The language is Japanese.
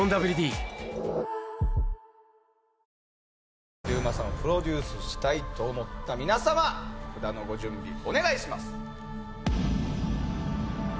中馬さんをプロデュースしたいと思った皆様札のご準備お願いします。